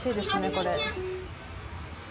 これ。